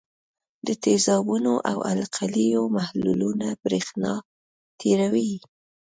د تیزابونو او القلیو محلولونه برېښنا تیروي.